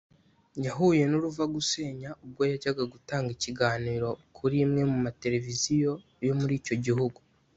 yahuye n’uruvagusenya ubwo yajyaga gutanga ikiganiro kur’imwe mu matelevisiziyo yo muri icyo gihugu